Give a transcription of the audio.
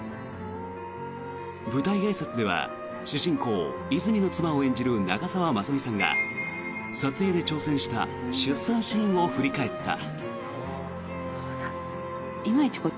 舞台あいさつでは主人公・泉の妻を演じる長澤まさみさんが撮影で挑戦した出産シーンを振り返った。